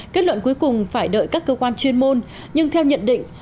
kết luận cuối cùng phải đợi các cơ quan chuyên môn nhưng theo nhận định